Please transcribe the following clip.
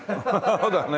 そうだね。